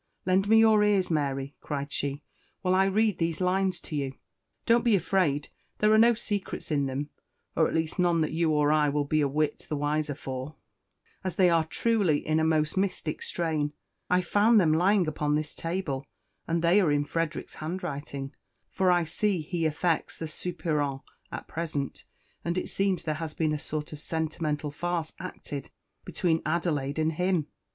"Lend me your ears, Mary," cried she, "while I read these lines to you. Don't be afraid, there are no secrets in them, or at least none that you or I will be a whit the wiser for, as they are truly in a most mystic strain. I found them lying upon this table, and they are in Frederick's handwriting, for I see he affects the soupirant at present; and it seems there has been a sort of a sentimental farce acted between Adelaide and him.